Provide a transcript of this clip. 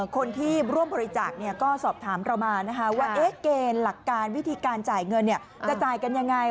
คนที่ร่วมบริจาคก็สอบถามเรามานะคะว่าเกณฑ์หลักการวิธีการจ่ายเงินจะจ่ายกันยังไง